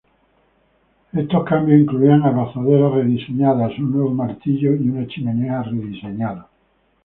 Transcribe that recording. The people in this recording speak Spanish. Estos cambios incluían abrazaderas rediseñadas, un nuevo martillo y una chimenea rediseñada.